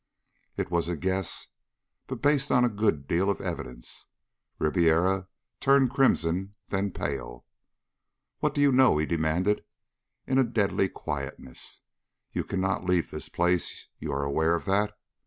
It was a guess, but based on a good deal of evidence. Ribiera turned crimson, then pale. "What do you know?" he demanded in a deadly quietness. "You cannot leave this place. You are aware of that.